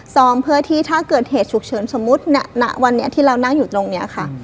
เพื่อที่ถ้าเกิดเหตุฉุกเฉินสมมุติณวันนี้ที่เรานั่งอยู่ตรงนี้ค่ะ